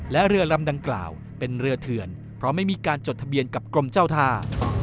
และเรือลำดังกล่าวเป็นเรือเถื่อนเพราะไม่มีการจดทะเบียนกับกรมเจ้าท่า